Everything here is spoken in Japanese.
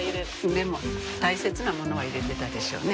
でも大切な物は入れてたでしょうね。